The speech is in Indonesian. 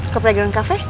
ke pregang cafe